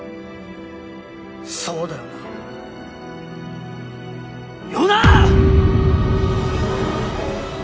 そうだよな？よな！